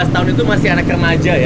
lima belas tahun itu masih anak remaja ya